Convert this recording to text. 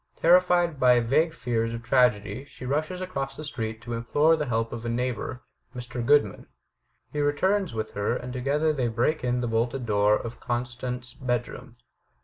Terrified by vague fears of tragedy, she rushes across the street to implore the help of a neighbor, Mr. Grodman. He returns with her, and to gether they break in the bolted door of Constant's bedroom.